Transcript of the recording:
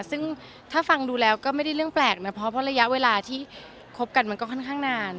ซึ่งถ้าฟังดูแล้วก็ไม่ได้เรื่องแปลกนะเพราะระยะเวลาที่คบกันมันก็ค่อนข้างนาน